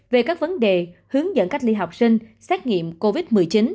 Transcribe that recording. về các vấn đề hướng dẫn cách ly học sinh xét nghiệm covid một mươi chín